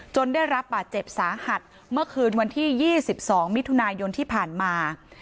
ได้รับบาดเจ็บสาหัสเมื่อคืนวันที่๒๒มิถุนายนที่ผ่านมา